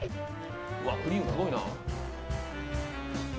クリームすごいな。